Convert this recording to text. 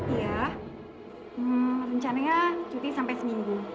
iya rencananya cuti sampai seminggu